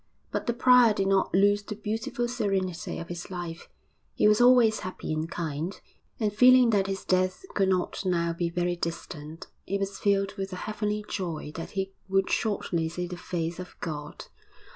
But the prior did not lose the beautiful serenity of his life; he was always happy and kind; and feeling that his death could not now be very distant, he was filled with a heavenly joy that he would shortly see the face of God.